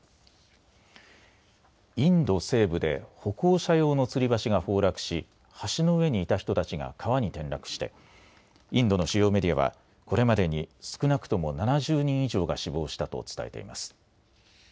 インド西部で歩行者用のつり橋が崩落し橋の上にいた人たちが川に転落してインドの主要メディアはこれまでに少なくとも７０人以上が死亡したと伝えています。